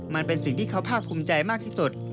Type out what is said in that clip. มันเป็นสิ่งที่เขาภาคภูมิใจมากที่สุด